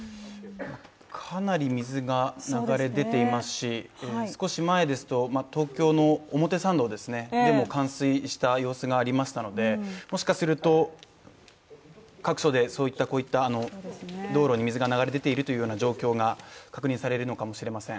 かなり水が流れ出ていますし少し前ですと、東京の表参道でも冠水した様子がありましたのでもしかすると各所でこういった道路に水が流れ出ているという状況が確認されるのかもしれません。